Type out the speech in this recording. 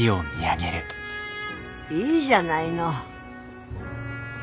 いいじゃないの。